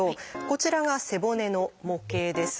こちらが背骨の模型です。